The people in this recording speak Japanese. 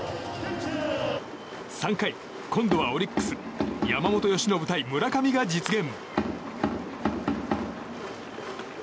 ３回、今度はオリックス山本由伸対村上が実現。